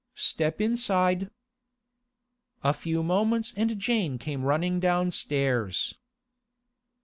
Step inside.' A few moments and Jane came running downstairs.